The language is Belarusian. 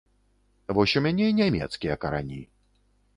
Вось у мяне нямецкія карані.